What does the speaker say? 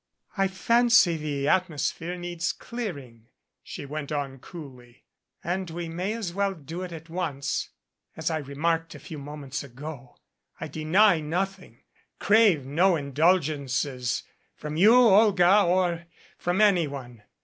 "I fancy the atmosphere needs clearing," she went on coolly, "and we may as well do it at once. As I re marked a few moments ago, I deny nothing, crave no 237 MADCAP indulgences, from you, Olga, or from anyone.